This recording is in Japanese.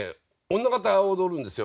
女形を踊るんですよ。